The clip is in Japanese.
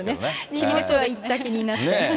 気持ちは行った気になって。